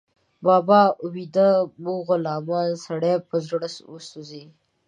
بابا ويده، موږ غلامان، سړی په زړه وسوځي